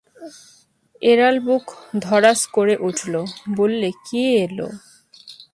এলার বুক ধড়াস করে উঠল, বললে, কে এল?